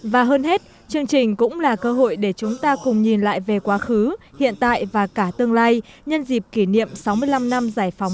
và hơn hết chương trình cũng là cơ hội để chúng ta cùng nhìn lại về quá khứ hiện tại và cả tương lai nhân dịp kỷ niệm sáu mươi năm năm giải phóng